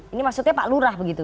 ini maksudnya pak lurah begitu